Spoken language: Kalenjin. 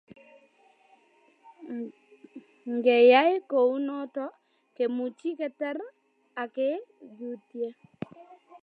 Ngeyai kounoto kemuchi ketar akkeutye